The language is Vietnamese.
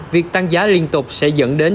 việc tăng giá liên tục sẽ dẫn đến